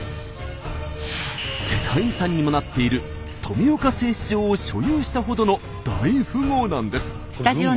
世界遺産にもなっている富岡製糸場を所有したほどの大富豪なんです。